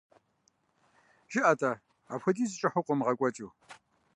ЖыӀэ-тӀэ, апхуэдизу кӀыхьу къыумыгъэкӀуэкӀыу.